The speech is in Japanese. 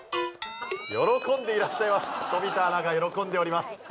喜んでいらっしゃいます冨田アナが喜んでおります。